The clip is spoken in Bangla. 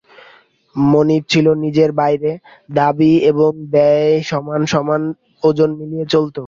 মনিব ছিল নিজের বাইরে, দাবি এবং দেয় সমান সমান ওজন মিলিয়ে চলত।